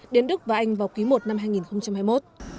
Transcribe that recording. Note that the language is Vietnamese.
đến đức và anh vào ký một năm hai nghìn hai mươi một